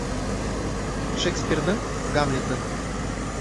Шекспирҙың «Гамлеты»